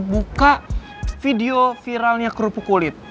buka video viralnya kerupuk kulit